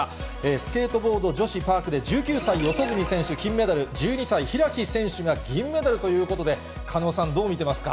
スケートボード女子パークで１９歳、四十住選手金メダル、１２歳、開選手が銀メダルということで、狩野さん、どう見てますか。